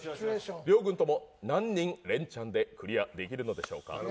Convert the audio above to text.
両軍とも何人でレンチャンクリアできるのでしょうか。